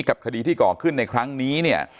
กับคดีที่ก่อขึ้นในครั้งนี้เนี่ย